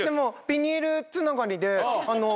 ビニールつながりで。